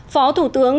phó thủ tướng